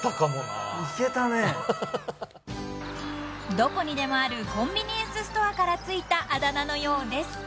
［どこにでもあるコンビニエンスストアから付いたあだ名のようです］